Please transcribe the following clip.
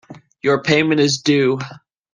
Your payment is due.